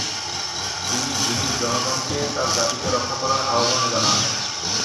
তিনি গিনির জনগণকে তার জাতিকে রক্ষা করার আহ্বান জানান।